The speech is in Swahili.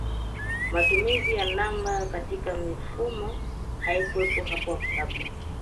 Matumizi ya namba katika mifumo haikuwepo hapo kabla